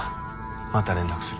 また連絡する。